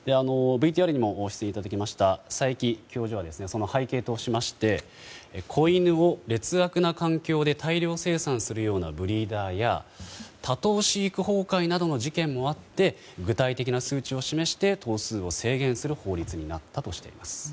ＶＴＲにもご出演いただきました佐伯教授は背景としまして子犬を劣悪な環境で大量生産するようなブリーダーや多頭飼育崩壊などの事件もあって具体的な数値を示して頭数を制限する法律になったとしています。